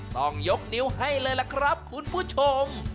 ต้องยกนิ้วให้เลยล่ะครับคุณผู้ชม